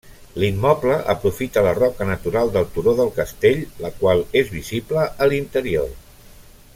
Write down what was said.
L'immoble aprofita la roca natural del turó del Castell, la qual és visible a l'interior.